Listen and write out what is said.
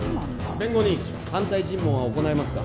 弁護人反対尋問は行えますか？